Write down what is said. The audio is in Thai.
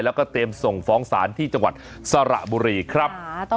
แล้วก็เตรียมส่งฟ้องศาลที่จังหวัดสระบุรีครับ